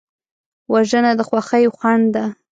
وژنه د خوښیو خنډ ده